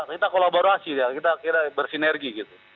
kita kolaborasi kita bersinergi